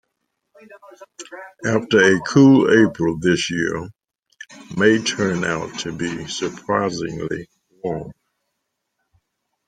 After a cool April this year, May turned out to be surprisingly warm